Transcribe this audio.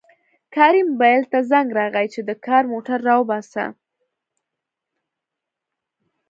کاري موبایل ته زنګ راغی چې د کار موټر راوباسه